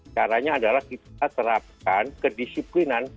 caranya adalah kita terapkan kedisiplinan